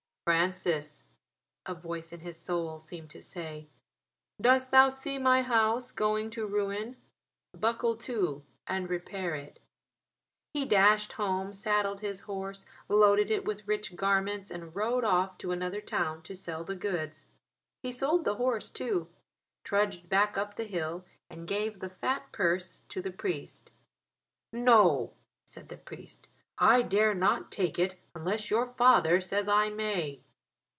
"Francis," a voice in his soul seemed to say, "dost thou see my house going to ruin. Buckle to and repair it." He dashed home, saddled his horse, loaded it with rich garments and rode off to another town to sell the goods. He sold the horse too; trudged back up the hill and gave the fat purse to the priest. "No," said the priest, "I dare not take it unless your father says I may."